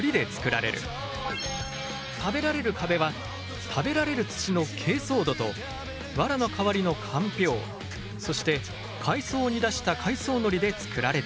食べられる壁は食べられる土の珪藻土と藁の代わりのかんぴょうそして海藻を煮出した海藻のりでつくられている。